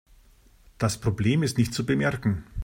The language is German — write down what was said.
Das Problem ist nicht zu bemerken.